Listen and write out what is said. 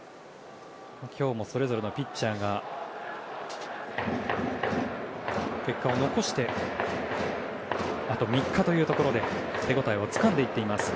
今日もそれぞれのピッチャーが結果を残してあと３日というところで手応えをつかんでいっています。